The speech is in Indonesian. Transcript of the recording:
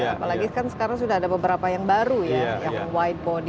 apalagi kan sekarang sudah ada beberapa yang baru ya yang wide body